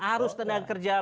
arus tanda kerja